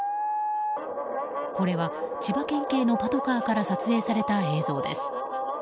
これは千葉県警のパトカーから撮影された映像です。